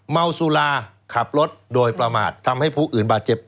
เมาสุราขับรถโดยประมาททำให้ผู้อื่นบาดเจ็บ